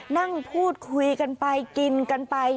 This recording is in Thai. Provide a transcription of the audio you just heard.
นั่งพูดคุยกันไปกินกันไป